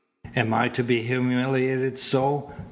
"Am I to be humiliated so?